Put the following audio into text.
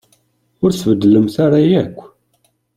Ur tbeddlemt ara akk.